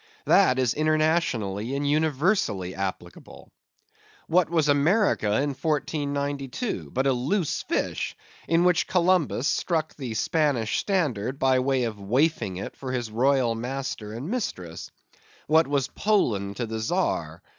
That is internationally and universally applicable. What was America in 1492 but a Loose Fish, in which Columbus struck the Spanish standard by way of waifing it for his royal master and mistress? What was Poland to the Czar?